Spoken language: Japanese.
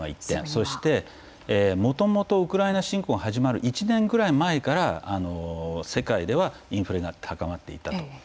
そして、もともとウクライナ侵攻始まる１年ぐらい前から世界ではインフレが高まっていた。